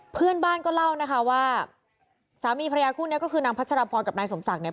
เพื่อนบ้านก็เล่านะคะว่าสามีภรรยาคู่นี้ก็คือนางพัชรพรกับนายสมศักดิ์เนี่ย